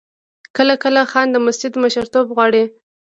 کله کله خان د مسجد مشرتوب غواړي.